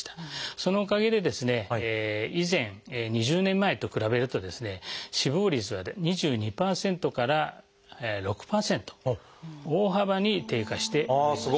そのおかげで以前２０年前と比べるとですね死亡率は２２％から６％大幅に低下しております。